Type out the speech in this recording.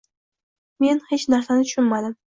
Men hech narsani tushunmadim.